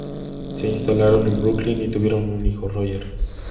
Se instalaron en Brooklyn y tuvieron un hijo, Roger.